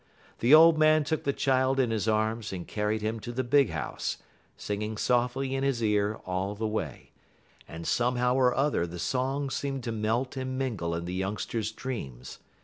The old man took the child in his arms and carried him to the big house, singing softly in his ear all the way; and somehow or other the song seemed to melt and mingle in the youngster's dreams.